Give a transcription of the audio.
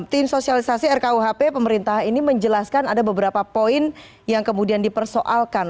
tim sosialisasi rkuhp pemerintah ini menjelaskan ada beberapa poin yang kemudian dipersoalkan